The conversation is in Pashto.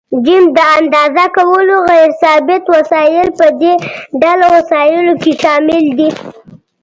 ج: د اندازه کولو غیر ثابت وسایل: په دې ډله وسایلو کې شامل دي.